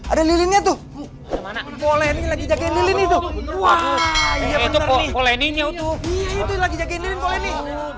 ada lilinnya tuh mana boleh lagi jagain ini tuh wah itu boleh ini